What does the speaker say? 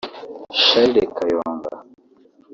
Charles Kayonga